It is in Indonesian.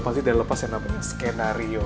pasti udah lepas yang namanya skenario